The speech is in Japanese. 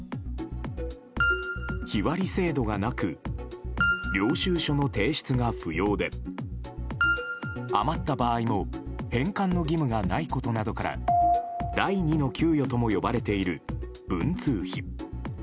日割り制度がなく領収書の提出が不要で余った場合も返還の義務がないことなどから第２の給与とも呼ばれている文通費。